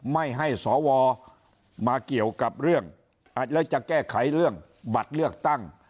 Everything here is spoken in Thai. ไม่ให้สวมาเกี่ยวกับเรื่องแล้วจะแก้ไขเรื่องบัตรเลือกตั้ง